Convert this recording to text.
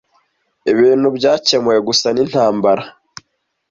Ibintu byakemuwe gusa nintambara.